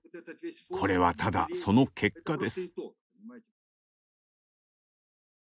これはただその結果です。